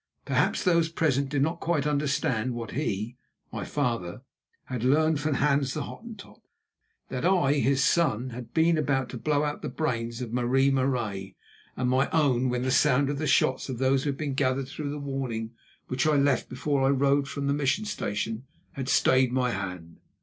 Perhaps those present did not quite understand what he (my father) had learned from Hans the Hottentot, that I, his son, had been about to blow out the brains of Marie Marais and my own when the sound of the shots of those who had been gathered through the warning which I left before I rode from the Mission Station, had stayed my hand.